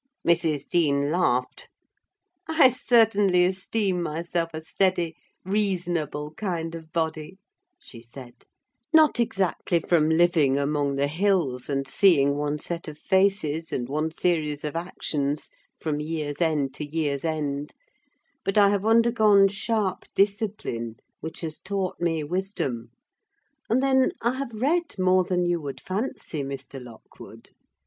Mrs. Dean laughed. "I certainly esteem myself a steady, reasonable kind of body," she said; "not exactly from living among the hills and seeing one set of faces, and one series of actions, from year's end to year's end; but I have undergone sharp discipline, which has taught me wisdom; and then, I have read more than you would fancy, Mr. Lockwood.